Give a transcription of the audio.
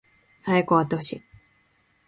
早く終わってほしい